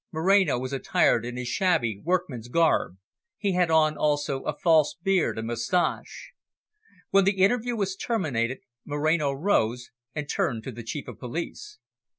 Moreno was attired in his shabby workman's garb; he had on also a false beard and moustache. When the interview was terminated, Moreno rose; and turned to the Chief of Police.